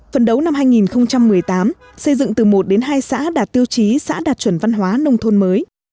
phần đấu năm hai nghìn một mươi tám xây dựng từ một đến hai xã đạt tiêu chí xã đạt chuẩn văn hóa nông thôn mới